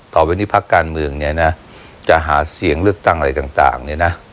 ต่อไปนี้พักการเมืองเนี่ยนะจะหาเสียงเลือกตั้งอะไรต่างเนี่ยนะ